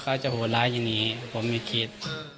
เขาจะโหดร้ายทีนี้ผมไม่คิด